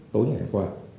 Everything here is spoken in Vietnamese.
tối ngày qua